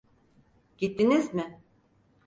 Gittiniz mi?